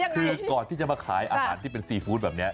คือก่อนที่จะมาขายอาหารที่เป็นซีฟู้ดแบบนี้